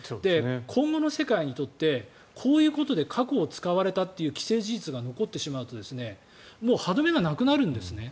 今後の世界にとってこういうことで核を使われたという既成事実が残ってしまうと歯止めがなくなるんですね。